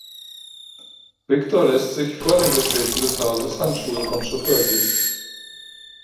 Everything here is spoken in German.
Viktor lässt sich vor dem Betreten des Hauses Handschuhe vom Chauffeur geben.